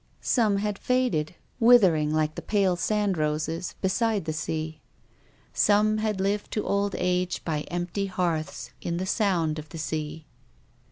Some had faded, withering like the pale sand roses beside the sea. Some had lived to old age by empty hearths, in the sound of the sea.